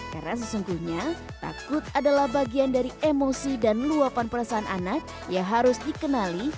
karena sesungguhnya takut adalah bagian dari emosi dan luapan perasaan anak yang harus dikenali